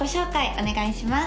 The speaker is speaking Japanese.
お願いします